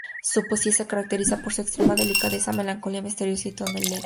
Su poesía se caracteriza por su extrema delicadeza, melancolía misteriosa y tono elegíaco.